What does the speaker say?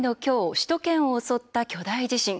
首都圏を襲った巨大地震。